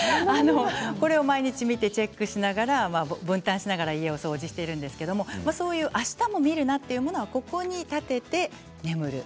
これを毎日、見てチェックしながら分担しながら家を掃除しているんですけどあしたも見るなというものはここに立てて眠る。